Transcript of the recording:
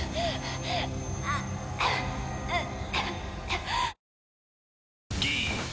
ああっうっ！